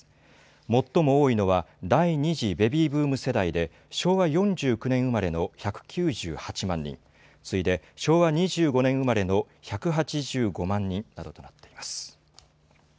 最も多いのは第２次ベビーブーム世代で昭和４９年生まれの１９８万人、次いで昭和２５年生まれの１８５万人などとなっています。